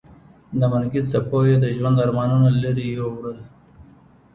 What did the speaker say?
د مرګي څپو یې د ژوند ارمانونه لرې یوړل.